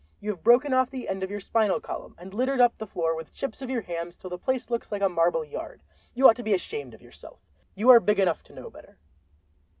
You have broken off the end of your spinal column, and littered up the floor with chips of your hams till the place looks like a marble yard. You ought to be ashamed of yourself—you are big enough to know better."